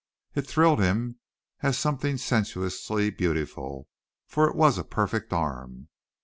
It thrilled him as something sensuously beautiful for it was a perfect arm.